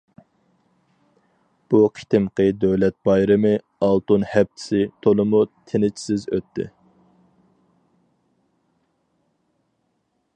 بۇ قېتىمقى دۆلەت بايرىمى« ئالتۇن ھەپتىسى» تولىمۇ تىنچسىز ئۆتتى.